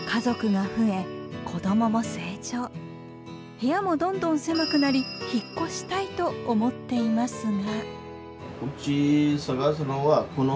部屋もどんどん狭くなり引っ越したいと思っていますが。